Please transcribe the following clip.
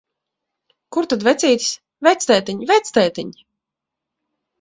Kur tad vecītis? Vectētiņ, vectētiņ!